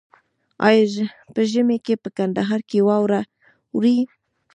آیا په ژمي کې په کندهار کې واوره اوري؟